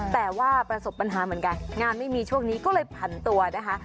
แต่ว่าประสบปัญหาเหมือนกันงานไม่มีช่วงนี้ก็เลยผันตัวนะคะ